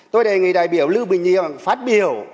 tôi đề nghị đại biểu lưu bình nhiệm phát biểu